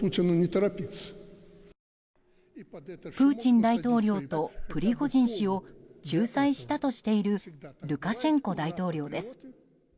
プーチン大統領とプリゴジン氏を仲裁したとしているルカシェンコ大統領です。